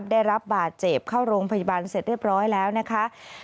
ได้รับบาดเจ็บเข้าโรงพยาบาลเสร็จเรียบร้อยแล้วนะคะ